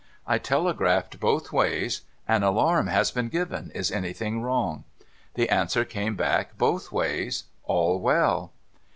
I telegraphed both ways, " An alarm has been given. Is anything wrong?" The answer came back, both ways, " All well."